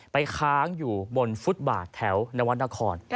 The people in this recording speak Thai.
ไปค้างอยู่บนฟุตบาทแถวนวัฒนธคร